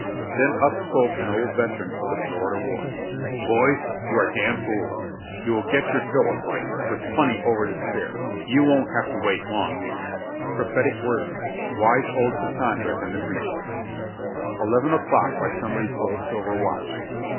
Then up spoke an old veteran of the Florida war, "Boys, you are damn fools; you will get your fill of fighting, with plenty over to spare. You won't have to wait long either." Prophetic words ! Wise old Cassandra in breeches ! Eleven o'clock by somebody's old silver watch!